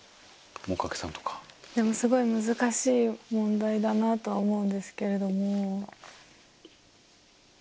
すごい難しい問題だなとは思うんですけれども。